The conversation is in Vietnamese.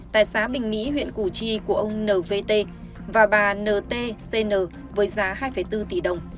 tại xá bình mỹ huyện củ chi của ông n v t và bà n t c n với giá hai bốn tỷ đồng